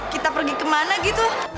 kita pergi kemana gitu